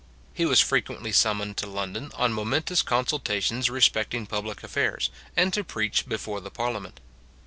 He was frequently summoned to London on momentous con sultations respecting public affairs, and to preach before the Parliament.